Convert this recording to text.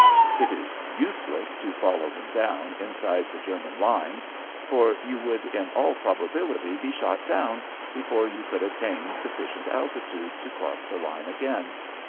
It is useless to follow him down inside the German lines, for you would in all probability be shot down before you could attain sufficient altitude to cross the line again.